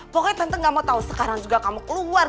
pokoknya tante gak mau tahu sekarang juga kamu keluar